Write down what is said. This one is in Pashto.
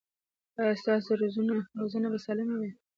ایا ستاسو روزنه به سالمه وي؟